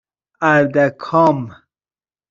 اَردکام